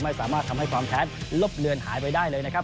ไม่สามารถทำให้ความแค้นลบเลือนหายไปได้เลยนะครับ